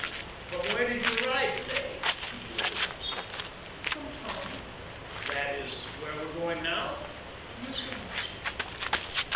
"From where did you ride today?" he blurted out suddenly. "From Tann." "That is where we are going now?" "Yes, your majesty."